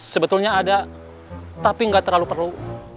sebetulnya ada tapi nggak terlalu perlu